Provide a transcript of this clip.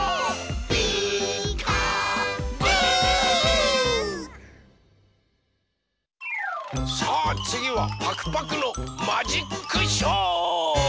「ピーカーブ！」さあつぎはパクパクのマジックショー！